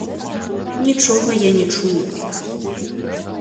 Нічога я не чую.